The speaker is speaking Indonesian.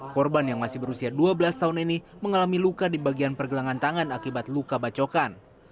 korban yang masih berusia dua belas tahun ini mengalami luka di bagian pergelangan tangan akibat luka bacokan